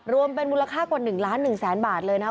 รวมเป็นมูลค่ากว่า๑ล้าน๑แสนบาทเลยนะครับ